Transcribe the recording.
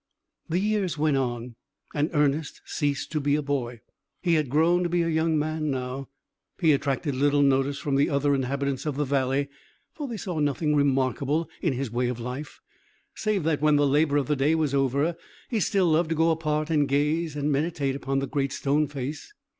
The years went on, and Ernest ceased to be a boy. He had grown to be a young man now. He attracted little notice from the other inhabitants of the valley; for they saw nothing remarkable in his way of life, save that, when the labour of the day was over, he still loved to go apart and gaze and meditate upon the Great Stone Face.